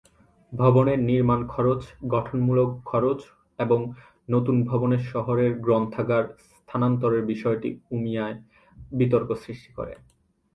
ভবনের নির্মাণ খরচ, গঠনমূলক খরচ এবং নতুন ভবনে শহরের গ্রন্থাগার স্থানান্তরের বিষয়টি উমিয়ায় বিতর্ক সৃষ্টি করে।